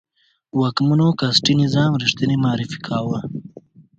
واکمنو کاسټي نظام ریښتنی معرفي کاوه.